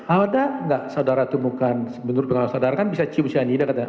ada nggak saudara temukan menurut saudara kan bisa cium cyanida katanya